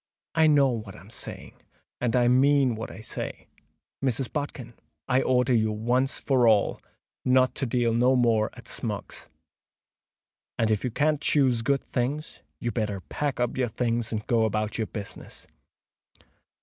"I know what I am saying, and I mean what I say. Mrs. Bodkin, I order you once for all not to deal no more at Smuggs's; and if you can't choose good things, you'd better pack up your things and go about your business."